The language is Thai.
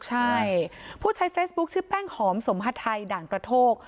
ใช่ผู้ใช้เฟซบุ๊คชื่อแป้งหอมสมฮาไทยด่านกระโทก